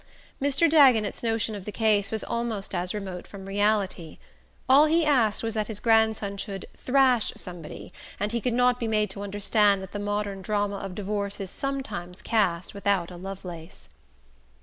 Mr. Dagonet's notion of the case was almost as remote from reality. All he asked was that his grandson should "thrash" somebody, and he could not be made to understand that the modern drama of divorce is sometimes cast without a Lovelace.